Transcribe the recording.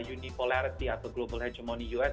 uni polarity atau global hegemony us